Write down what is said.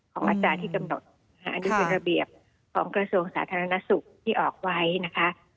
อาจารย์ที่กำหนดอันนี้เป็นระเบียบของกระทรวงสาธารณสุขที่ออกไว้นะคะ